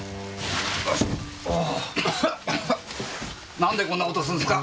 なんでこんな事するんすか？